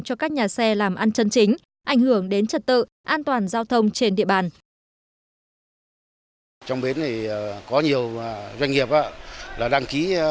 cho các nhà xe làm ăn chân chính ảnh hưởng đến trật tự an toàn giao thông trên địa bàn